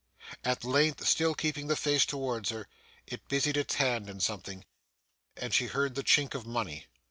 At length, still keeping the face towards her, it busied its hands in something, and she heard the chink of money.